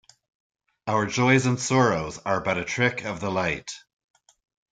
Our joys and sorrows are but a trick of the light.